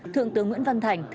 thượng tướng nguyễn văn thành